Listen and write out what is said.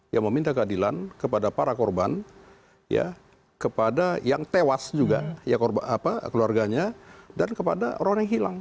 yang meminta keadilan kepada para korban kepada yang tewas juga keluarganya dan kepada orang yang hilang